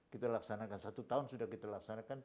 kita laksanakan satu tahun sudah kita laksanakan